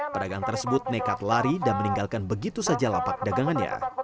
pedagang tersebut nekat lari dan meninggalkan begitu saja lapak dagangannya